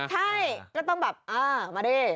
ใช่ก็ต้องแบบเออมาดิ